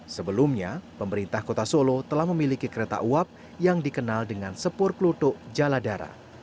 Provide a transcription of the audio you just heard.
sebelumnya pemerintah kota solo telah memiliki kereta uap yang dikenal dengan sepur klutuk jaladara